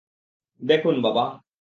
দেখুন, বাবা।